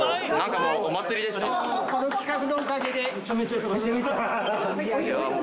この企画のおかげで。